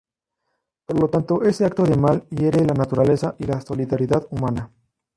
Por lo tanto, ese acto del mal hiere la naturaleza y la solidaridad humanas.